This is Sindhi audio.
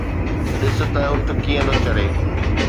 ڏس ته اُٺ ڪيئن ٿو چري.